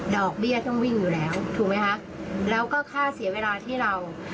อกเบี้ยต้องวิ่งอยู่แล้วถูกไหมคะแล้วก็ค่าเสียเวลาที่เรา